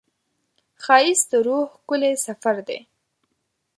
ښایست د روح ښکلی سفر دی